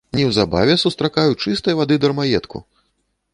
Неўзабаве сустракаю чыстай вады дармаедку!